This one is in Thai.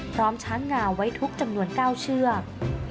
พร้อมช้างงาไว้ทุกจำนวน๙เชือก